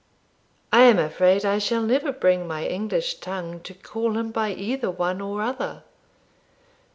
'I am afraid I shall never bring my English tongue to call him by either one or other.'